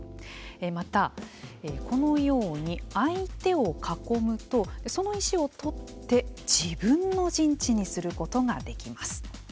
また、このように相手を囲むとその石を取って自分の陣地にすることができます。